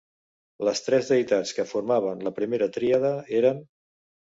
Les tres deïtats que formaven la primera tríada eren: